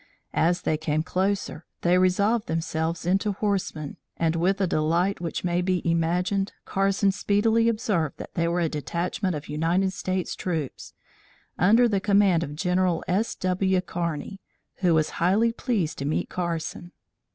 As they came closer, they resolved themselves into horsemen, and, with a delight which may be imagined, Carson speedily observed that they were a detachment of United States troops under the command of General S. W. Kearney, who was highly pleased to meet Carson.